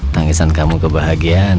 tangisan kamu kebahagiaan